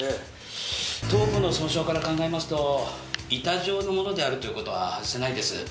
頭部の損傷から考えますと板状の物であるという事は外せないです。